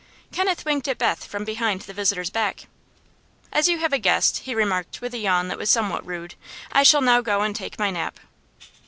Kenneth winked at Beth from behind the visitor's back. "As you have a guest," he remarked, with a yawn that was somewhat rude, "I shall now go and take my nap."